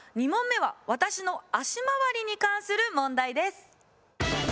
２問目は私の足回りに関する問題です。